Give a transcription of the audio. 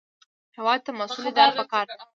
هېواد ته مسؤله اداره پکار ده